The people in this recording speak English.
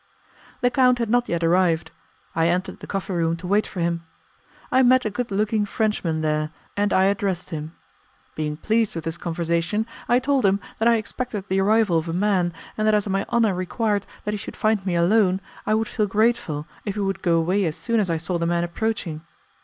The count had not yet arrived. I entered the coffee room to wait for him. I met a good looking Frenchman there, and I addressed him. Being pleased with his conversation, I told him that I expected the arrival of a man, and that as my honour required that he should find me alone I would feel grateful if he would go away as soon as I saw the man approaching.